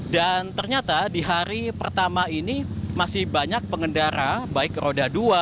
dan ternyata di hari pertama ini masih banyak pengendara baik roda dua